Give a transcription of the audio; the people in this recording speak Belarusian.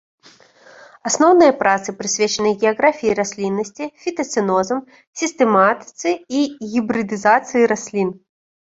Асноўныя працы прысвечаны геаграфіі расліннасці, фітацэнозам, сістэматыцы і гібрыдызацыі раслін.